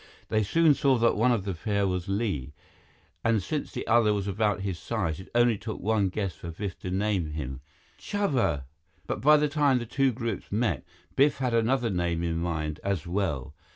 They soon saw that one of the pair was Li, and since the other was about his size, it only took one guess for Biff to name him: "Chuba!" But by the time the two groups met, Biff had another name in mind as well.